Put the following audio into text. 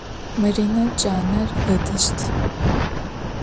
Марина джанэр ыдыщт.